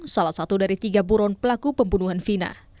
salah satu dari tiga buron pelaku pembunuhan vina